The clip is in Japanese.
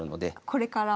これから？